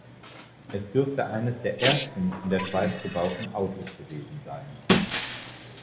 Es dürfte eines der ersten in der Schweiz gebauten Autos gewesen sein.